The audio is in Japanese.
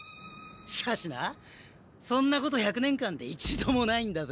しかしなそんなこと１００年間で一度もないんだぜ。